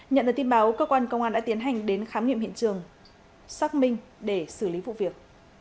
nhận được tin báo cơ quan công an đã tiến hành đến khám nghiệm hiện trường xác minh để xử lý vụ việc